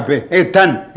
kita edan kp